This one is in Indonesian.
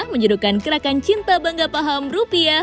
menjodohkan kerakan cinta bangga paham rupiah